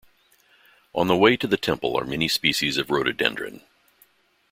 On the way to the temple are many species of rhododendron.